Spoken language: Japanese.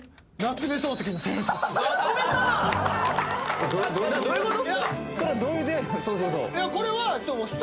・えっどういうこと？